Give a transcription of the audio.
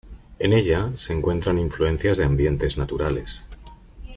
En ella, se encuentran influencias de ambientes naturales.